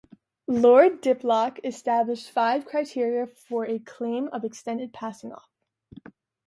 Lord Diplock established five criteria for a claim of extended passing off.